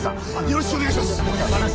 よろしくお願いします。